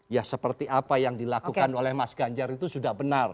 ya seperti apa yang dilakukan oleh mas ganjar itu sudah benar